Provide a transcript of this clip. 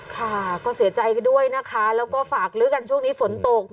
ค่ะก็เสียใจด้วยนะคะแล้วก็ฝากลื้อกันช่วงนี้ฝนตก